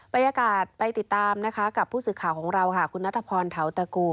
บรรยากาศไปติดตามนะคะกับผู้สื่อข่าวของเราค่ะคุณนัทพรเทาตะกู